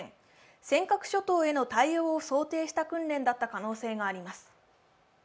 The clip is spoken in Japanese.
尖閣諸島への対応を想定した訓練だった可能性があります。